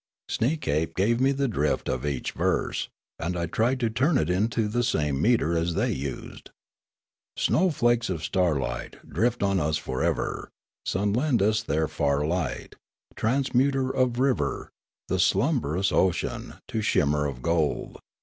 Sneekape gave me the drift of each verse, and I tried to turn it into the same metre as they used: Snowflakes of starlight Drift on us for ever. Suns lend their far light, Transmuter of river And slumberous ocean To shimmer of gold.